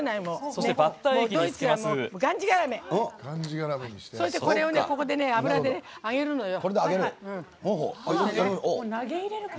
そして、これを油で揚げるのよ。